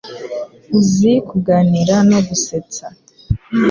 uzi kuganira no gusetsa